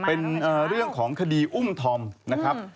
เป็นเรื่องของคดีอุ้มธอมนะครับ